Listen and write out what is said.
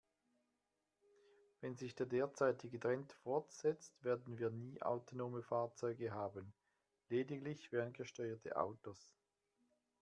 Wenn sich der derzeitige Trend fortsetzt, werden wir nie autonome Fahrzeuge haben, lediglich ferngesteuerte Autos.